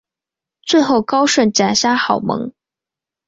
最后高顺斩杀郝萌。